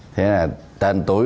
thế là tên tuổi